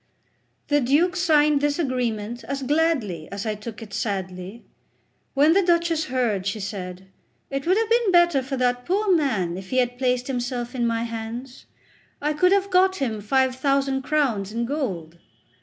The Duke signed this agreement as gladly as I took it sadly. When the Duchess heard, she said: "It would have been better for that poor man if he had placed himself in my hands; I could have got him five thousand crowns in gold."